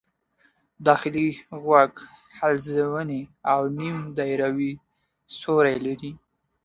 داخلي غوږ حلزوني او نیم دایروي سوري لري.